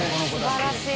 素晴らしい。